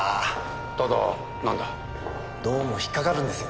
ただなんだ？どうも引っかかるんですよね。